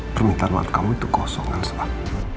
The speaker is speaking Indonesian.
permintaan mat kamu itu kosong kan soh